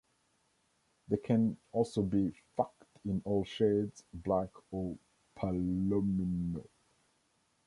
They can also be fucked in all shades, black or palomino.